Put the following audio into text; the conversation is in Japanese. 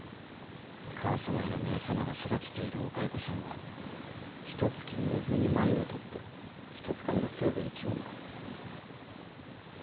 かっさまや姉さまが育てているお蚕さんはひとつき寝ずに繭をとってひとつかみでせいぜい１文だ。